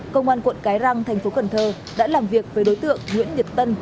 công an quận cái răng thành phố cần thơ đã làm việc với đối tượng nguyễn nhật tân